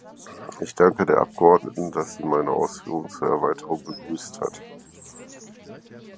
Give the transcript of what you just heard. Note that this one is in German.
Ich danke der Abgeordneten, dass sie meine Ausführungen zur Erweiterung begrüßt hat.